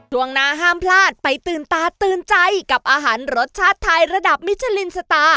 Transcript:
ช่วงหน้าห้ามพลาดไปตื่นตาตื่นใจกับอาหารรสชาติไทยระดับมิชลินสตาร์